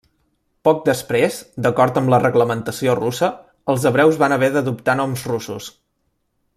Poc després, d'acord amb la reglamentació russa, els hebreus van haver d'adoptar noms russos.